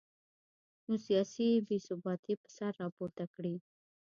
نو سیاسي بې ثباتي به سر راپورته کړي